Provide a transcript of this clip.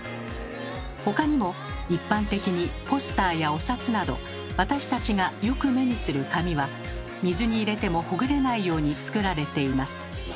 他にも一般的にポスターやお札など私たちがよく目にする紙は水に入れてもほぐれないようにつくられています。